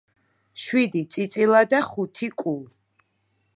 შვიდი წიწილა და ხუთი კუ.